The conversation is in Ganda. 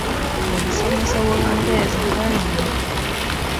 Omusomesa w’Olungereza ng’anyumye!